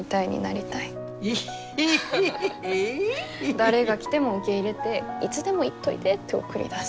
誰が来ても受け入れていつでも行っといでって送り出す。